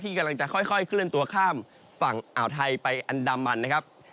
กำลังจะค่อยเคลื่อนตัวข้ามฝั่งอ่าวไทยไปอันดามันนะครับ